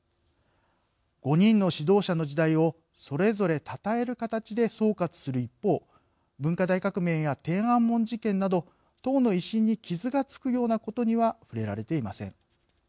５人の指導者の時代をそれぞれたたえる形で総括する一方文化大革命や天安門事件など党の威信に傷がつくようなことには触れられていません。